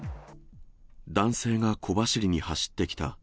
男性が小走りに走ってきた。